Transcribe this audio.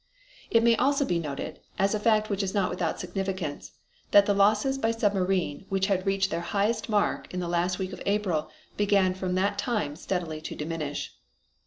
It may also be noted, as a fact which is not without significance, that the losses by submarine which had reached their highest mark in the last week in April began from that time steadily to diminish.